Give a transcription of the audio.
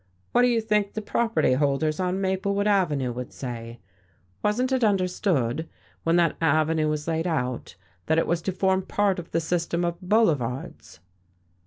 "What do you think the property holders on Maplewood Avenue would say? Wasn't it understood, when that avenue was laid out, that it was to form part of the system of boulevards?"